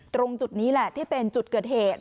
ตรงจุดนี้แหละที่เป็นจุดเกิดเหตุ